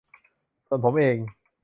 ส่วนผมเอง